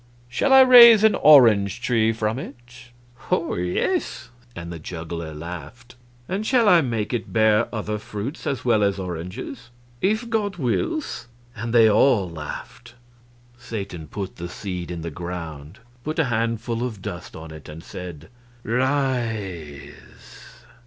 Shall I raise an orange tree from it?" "Oh yes!" and the juggler laughed. "And shall I make it bear other fruits as well as oranges?" "If God wills!" and they all laughed. Satan put the seed in the ground, put a handful of dust on it, and said, "Rise!"